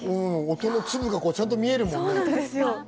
音の粒がちゃんと見えるもんね。